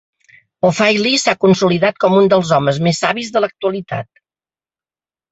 O'Fihely s"ha consolidat com un dels homes més savis de l"actualitat.